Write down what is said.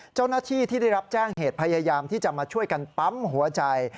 เจ้าหน้าที่ที่ได้รับแจ้งเหตุพยายามที่จะมาช่วยกันปั๊มหัวใจ